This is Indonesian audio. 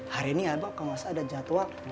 hari ini ya bang kamu masih ada jadwal